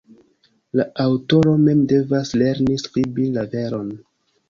La aŭtoro mem devas lerni skribi la veron.